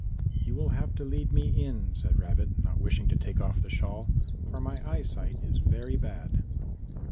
"You will have to lead me in," said Rabbit, not wishing to take off the shawl, "for my eyesight is very bad."